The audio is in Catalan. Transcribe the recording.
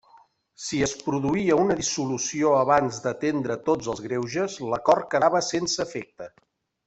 Si es produïa una dissolució abans d'atendre tots els greuges, l'acord quedava sense efecte.